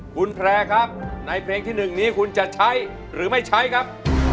คุณแพร่ครับในเพลงที่๑นี้คุณจะใช้หรือไม่ใช้ครับ